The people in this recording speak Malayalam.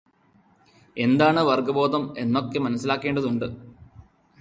എന്താണ് വർഗബോധം എന്നൊക്കെ മനസിലാക്കേണ്ടതുണ്ട്.